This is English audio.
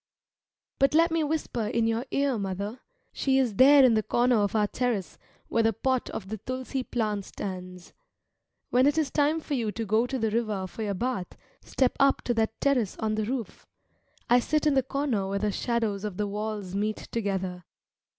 But let me whisper in your ear, mother; she is there in the corner of our terrace where the pot of the tulsi plant stands. When it is time for you to go to the river for your bath, step up to that terrace on the roof. I sit in the corner where the shadows of the walls meet together.